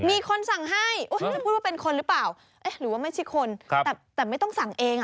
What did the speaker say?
ไงมีคนสั่งให้กูจะเป็นคนหรือเปล่าหนิว่าไม่ใช่คนครับแต่ไม่ต้องสั่งเอง